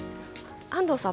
安藤さん